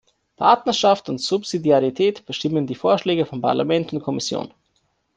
Partnerschaft und Subsidiarität bestimmen die Vorschläge von Parlament und Kommission.